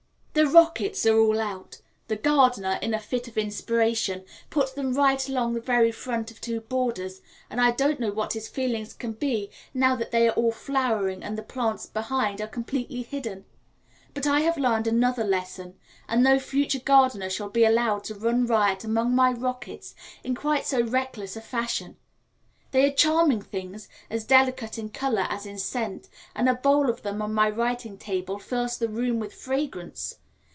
The rockets are all out. The gardener, in a fit of inspiration, put them right along the very front of two borders, and I don't know what his feelings can be now that they are all flowering and the plants behind are completely hidden; but I have learned another lesson, and no future gardener shall be allowed to run riot among my rockets in quite so reckless a fashion. They are charming things, as delicate in colour as in scent, and a bowl of them on my writing table fills the room with fragrance.